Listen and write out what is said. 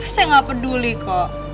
saya gak peduli kok